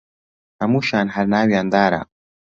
هەمووشیان هەر ناویان دارە